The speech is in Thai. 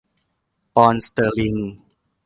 ปอนด์สเตอร์ลิง